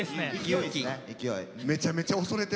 勢い。